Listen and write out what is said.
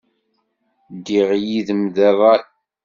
Ddiɣ yid-m deg ṛṛay.